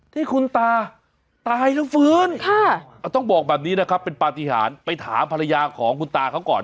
ที่คุณตาตายแล้วฟื้นต้องบอกแบบนี้นะครับเป็นปฏิหารไปถามภรรยาของคุณตาเขาก่อน